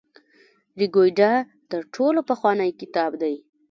ریګویډا تر ټولو پخوانی کتاب دی.